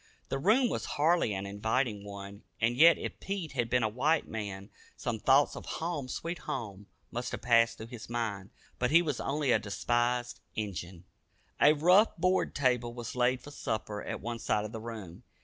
The room was hardly an inviting one, and yet if Pete had been a white man some thoughts of "home, sweet home," must have passed through his mind. But he was only a despised "Injun." A rough board table was laid for supper at one side of the room.